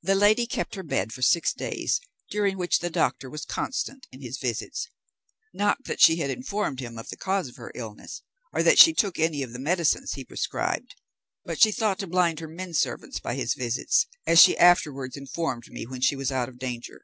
The lady kept her bed for six days, during which the doctor was constant in his visits; not that she had informed him of the cause of her illness, or that she took any of the medicines he prescribed; but she thought to blind her men servants by his visits, as she afterwards informed me when she was out of danger.